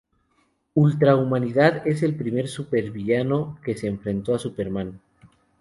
Ultra-Humanidad es el primer supervillano que se enfrentó a Superman.